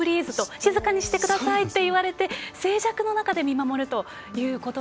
静かにしてくださいと言われて、静寂の中で見守るということで。